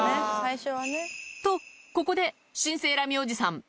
と、ここで、新生ラミおじさん。